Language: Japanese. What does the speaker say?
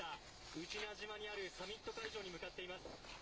宇品島にあるサミット会場に向かっています。